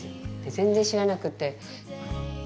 全然知らなくて。